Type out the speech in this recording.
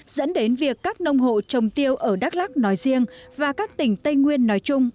dẫn đến việc các nông hộ trồng tiêu ở đắk lắc nói riêng và các tỉnh tây nguyên nói chung